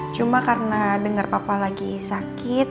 cuma karena dengar papa lagi sakit